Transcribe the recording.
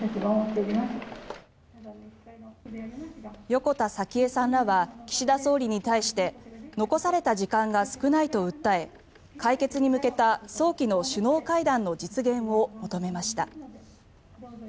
横田早紀江さんらは岸田総理に対して残された時間が少ないと訴え解決に向けた早期の首脳会談の実現を求めました。